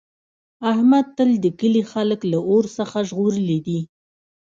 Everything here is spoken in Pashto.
احمد تل د کلي خلک له اور څخه ژغورلي دي.